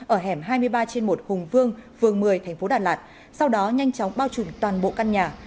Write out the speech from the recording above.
ở hẻm hai mươi ba trên một hùng vương phường một mươi tp đà lạt sau đó nhanh chóng bao trùm toàn bộ căn nhà